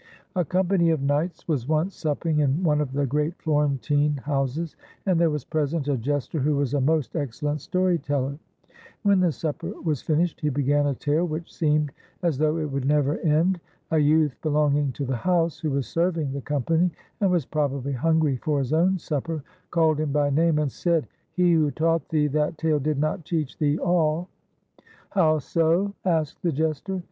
"A company of knights was once supping in one of the great Florentine houses, and there was present a jester who was a most excellent story teller. When the supper was finished he began a tale which seemed as 22 FLORENCE IN THE THIRTEENTH CENTURY though it would never end. A youth belonging to the house, who was serving the company and was prob ably hungry for his own supper, called him by name and said — "'He who taught thee that tale did not teach thee all.' "'How so?' asked the jester.